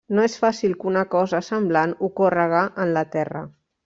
No és fàcil que una cosa semblant ocórrega en la Terra.